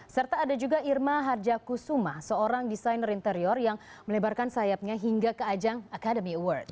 serta ada juga irma harjakusuma seorang desainer interior yang melebarkan sayapnya hingga ke ajang academy award